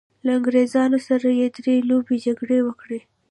له انګریزانو سره یې درې لويې جګړې وکړې.